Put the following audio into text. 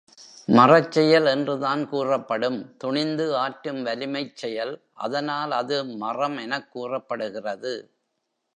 மறச் செயல் என்றுதான் கூறப்படும்.துணிந்து ஆற்றும் வலிமைச் செயல் அதனால் அது மறம் எனக் கூறப்படுகிறது.